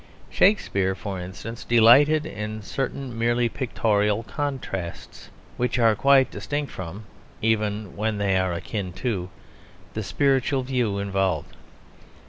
Shakespeare, for instance, delighted in certain merely pictorial contrasts which are quite distinct from, even when they are akin to, the spiritual view involved.